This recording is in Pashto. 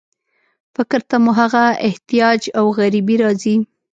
فکر ته مو هغه احتیاج او غریبي راځي.